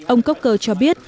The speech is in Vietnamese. ông coker cho biết